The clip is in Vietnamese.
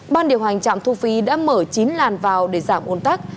ban điều hành trạm thu phí đã mở chín làn vào để giảm ôn tắc